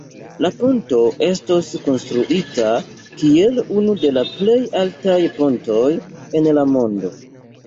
La ponto estos konstruita kiel unu de la plej altaj pontoj en la mondo.